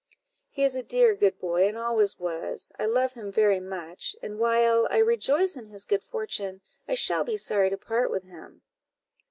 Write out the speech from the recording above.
"He is a dear good boy, and always was; I love him very much, and while I rejoice in his good fortune, I shall be sorry to part with him."